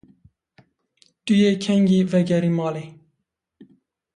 Tu yê kengî vegerî malê.